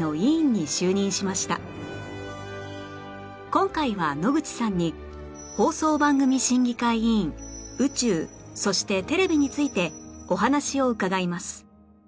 今回は野口さんに放送番組審議会委員宇宙そしてテレビについてお話を伺います